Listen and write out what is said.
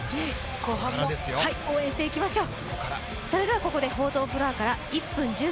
後半も応援していきましょう。